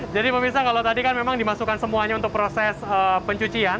jadi pak wisna kalau tadi kan memang dimasukkan semuanya untuk proses pencucian